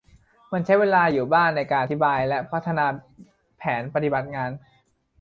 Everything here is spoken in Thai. มันใช้เวลาอยู่บ้างในการอธิบายและพัฒนาแผนปฏิบัติงาน